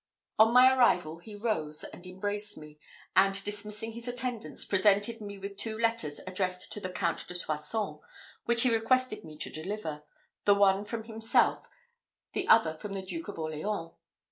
On my arrival, he rose and embraced me; and dismissing his attendants, presented me with two letters addressed to the Count de Soissons, which he requested me to deliver the one from himself, the other from the Duke of Orleans.